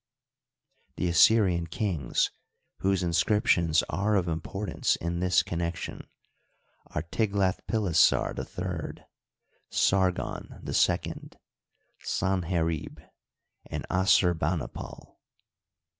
The Assyrian' kings whose inscriptions are of im portance in this connection are Tiglathpilesar III, Sargon II, Sanherib, and Assurbanipal.